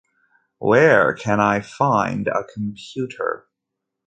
Where can I find a computer?